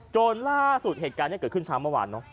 ล่าสุดเหตุการณ์นี้เกิดขึ้นเช้าเมื่อวานเนอะ